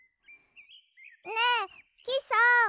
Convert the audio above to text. ねえきさん